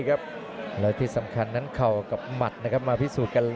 และที่สำคัญนั้นเข่ากับหมัดมาพิสูจน์กัน